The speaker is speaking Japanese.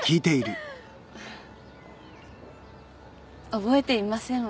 覚えていませんわ。